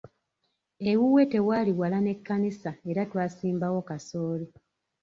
Ewuwe tewaali wala n'ekkanisa era twasimbawo kasooli.